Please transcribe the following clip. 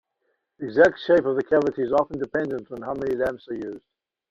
The exact shape of the cavity is often dependent on how many lamps are used.